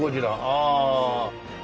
ああ。